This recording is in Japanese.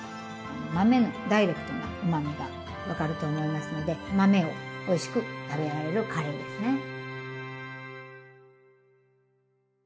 豆のダイレクトなうまみが分かると思いますので豆をおいしく食べられるカレーですね。